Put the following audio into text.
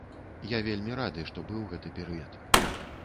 Я вельмі рады, што быў гэты перыяд.